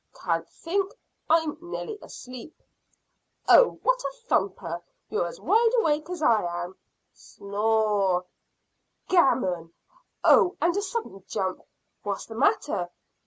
"Can't think: I'm nearly asleep." "Oh, what a thumper! You're as wide awake as I am." S n n o r r r e! "Gammon!" "Oh!" and a sudden jump. "What's the matter?"